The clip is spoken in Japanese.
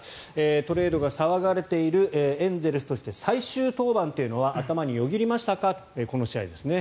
トレードが騒がれているエンゼルスとして最終登板というのは頭によぎりましたかという質問ですね。